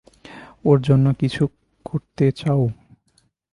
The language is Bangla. ওর জন্য কিছু করতে চাও?